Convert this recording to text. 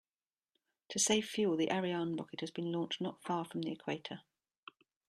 To save fuel, the Ariane rocket has been launched not far from the equator.